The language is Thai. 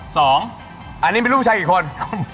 อันนี้มีลูกผู้ชายกี่คน